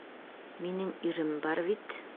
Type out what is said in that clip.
Минең ирем бар бит.